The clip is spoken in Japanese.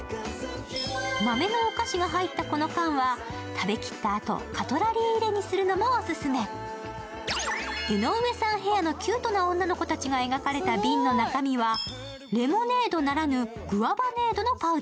豆のお菓子が入ったこの缶は、食べきったあとカトラリー入れにするのもオススメ江上さんヘアのキュートな女の子たちが描かれた瓶の中身は、レモネードならぬグアバネード。